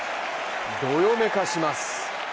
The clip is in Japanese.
どよめかします。